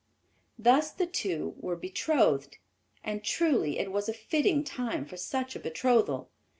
Thus the two were betrothed. And truly it was a fitting time for such a betrothal.